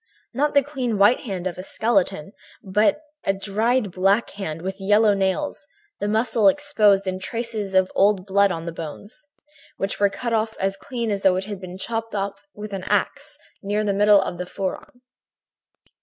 Not the clean white hand of a skeleton, but a dried black hand, with yellow nails, the muscles exposed and traces of old blood on the bones, which were cut off as clean as though it had been chopped off with an axe, near the middle of the forearm.